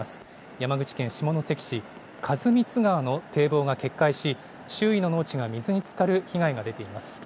山口県下関市、員光川の堤防が決壊し、周囲の農地が水につかる被害が出ています。